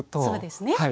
そうですね。